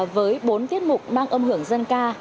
với bốn tiết mục mang âm hưởng dân ca